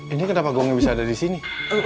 ini kenapa gonggong bisa ada disini